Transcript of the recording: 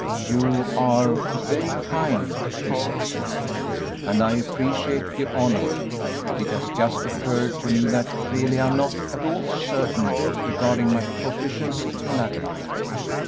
"You are very kind," he said, slowly, "and I appreciate the honor; but it has just occurred to me that really I am not at all certain regarding my proficiency in that line."